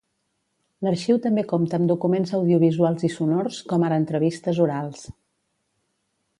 L'Arxiu també compta amb documents audiovisuals i sonors, com ara entrevistes orals.